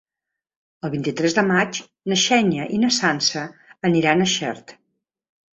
El vint-i-tres de maig na Xènia i na Sança aniran a Xert.